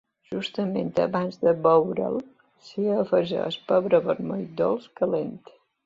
Justament abans de beure'l s'hi afegeix pebre vermell dolç calent.